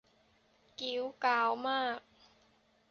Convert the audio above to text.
กิ๊วก๊าวมาก